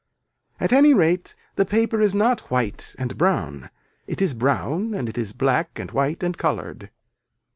At any rate the paper is not white and brown, it is brown and it is black and white and colored.